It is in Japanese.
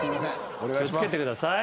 気を付けてください。